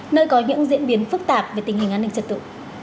nơi có những diễn biến phức tạp về tình hình an ninh trật tự